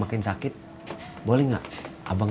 kapan belajar hurricane biseik